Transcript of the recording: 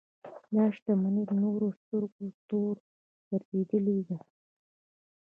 دا شتمنۍ د نورو د سترګو تور ګرځېدلې ده.